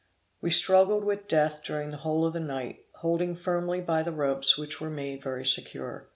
We struggled with death during the whole of the night, holding firmly by the ropes which were made very secure.